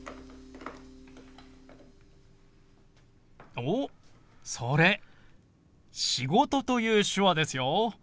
おっそれ「仕事」という手話ですよ。